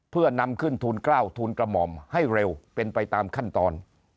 เพื่อนำขึ้นทูลกล้าวทูลกระหม่อมให้เร็วเป็นไปตามขั้นตอน